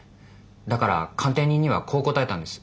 だから鑑定人にはこう答えたんです。